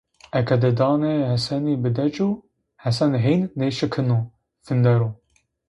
Eke dıdanê Heseni bıdeco, Hesen hên nêşikino fındero.